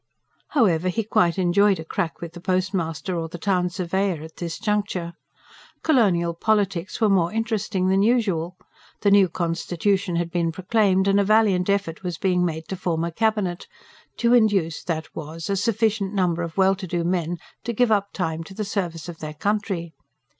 However, he quite enjoyed a crack with the postmaster or the town surveyor, at this juncture. Colonial politics were more interesting than usual. The new Constitution had been proclaimed, and a valiant effort was being made to form a Cabinet; to induce, that was, a sufficient number of well to do men to give up time to the service of their country.